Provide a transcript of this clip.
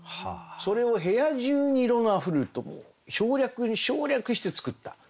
それを「部屋中に色のあふるる」と省略に省略して作ったそういう句でね